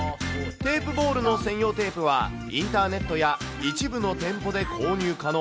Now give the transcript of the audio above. テープボールの専用テープは、インターネットや一部の店舗で購入可能。